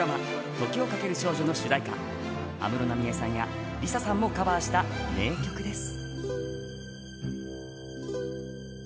「時をかける少女」の主題歌、安室奈美恵さんやＬｉＳＡさんもカバーした名曲です。